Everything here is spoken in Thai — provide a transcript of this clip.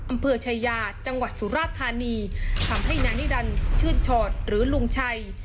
อำเภอชายาจังหวัดสุราธานีทำให้นางนิรันดิชื่นชอดหรือลุงชัย